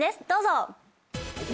どうぞ！